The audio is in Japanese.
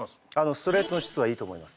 ストレートの質はいいと思います。